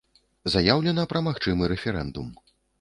Заяўлена пра магчымы рэферэндум.